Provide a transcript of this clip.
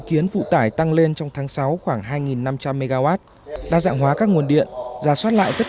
kiến phụ tải tăng lên trong tháng sáu khoảng hai năm trăm linh mw đa dạng hóa các nguồn điện giả soát lại tất